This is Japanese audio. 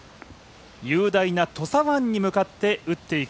雄大な土佐湾に向かって打っていく